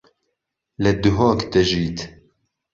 لە دهۆک دەژیت.